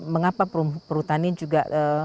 mengapa perum perutani juga